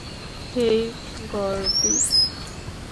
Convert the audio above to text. হেই, গর্ডি।